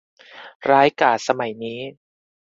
ร้ายกาจสมัยนี้